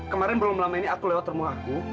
kemarin belum lama ini aku lewat rumah aku